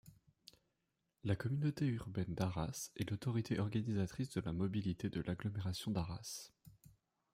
La Communauté urbaine d'Arras est l'autorité organisatrice de la mobilité de l'agglomération d'Arras.